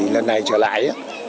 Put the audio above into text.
lần này trở lại